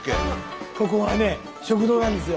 ここはね食堂なんですよ。